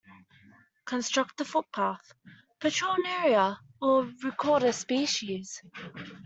'construct a footpath', 'patrol an area' or 'record a species'.